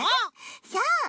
そう。